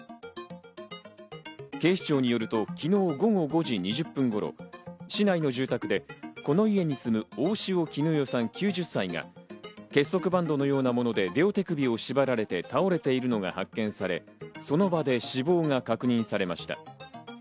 警視庁によると、昨日午後５時２０分頃、市内の住宅で、この家に住む大塩衣与さん９０歳が、結束バンドのようなもので両手首を縛られて倒れているのが発見され、その場で死亡が確認されました。